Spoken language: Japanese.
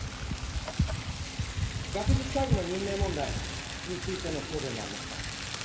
学術会議の任命問題の答弁もありました。